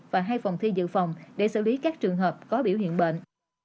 và hai phòng thi dự phòng để xử lý các trường hợp có biểu hiện bệnh